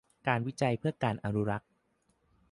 การวิจัยเพื่อการอนุรักษ์